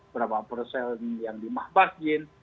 berapa persen yang di mahbahjin